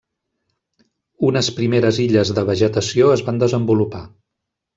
Unes primeres illes de vegetació es van desenvolupar.